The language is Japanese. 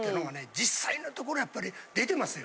実際のところやっぱり出てますよ。